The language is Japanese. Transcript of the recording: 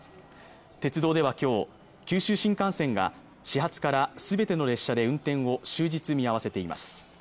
鉄道ではきょう九州新幹線が始発からすべての列車で運転を終日見合わせています